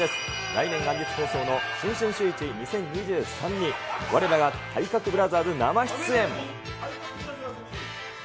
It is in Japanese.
来年元日放送の新春シューイチ２０２３に、われらが体格ブラザーズ生出演。